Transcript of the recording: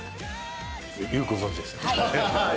よくご存じですね。